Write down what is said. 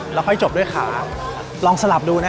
การแชร์ประสบการณ์